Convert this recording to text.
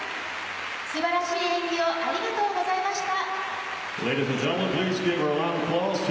素晴らしい演技をありがとうございました。